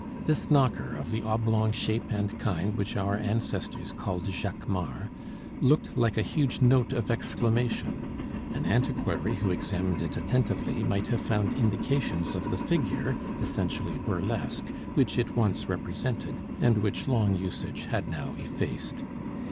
This knocker, of the oblong shape and kind which our ancestors called jaquemart, looked like a huge note of exclamation; an antiquary who examined it attentively might have found indications of the figure, essentially burlesque, which it once represented, and which long usage had now effaced.